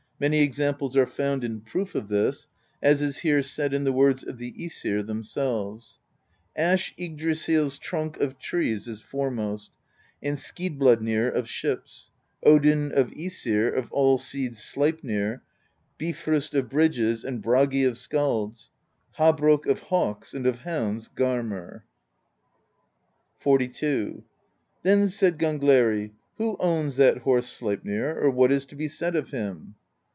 Many examples are found in proof of this, as is here said in the words of the ^sir themselves: Ash Yggdrasill's trunk of trees is foremost. And Skidbladnir of ships; Odin of ^sir, of all steeds Sleipnir, Bifrost of bridges, and Bragi of skalds; Habrok of hawks, and of hounds Garmr." XLII. Then said Gangleri: "Who owns that horse Sleip nir, or what is to be said of him?"